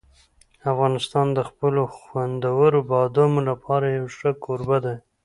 افغانستان د خپلو خوندورو بادامو لپاره یو ښه کوربه دی.